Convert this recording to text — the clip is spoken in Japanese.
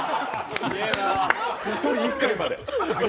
１人１回まで。